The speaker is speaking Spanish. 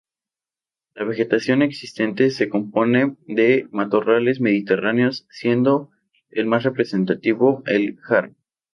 La vegetación existente se compone de matorrales mediterráneos, siendo el más representativo la jara.